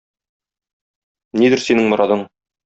Нидер синең морадың?